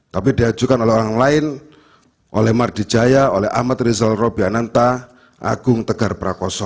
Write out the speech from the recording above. tapi diajukan oleh orang lain oleh mardijaya oleh ahmad rizal robiananta agung tegar prakoso